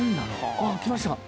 あっ来ました。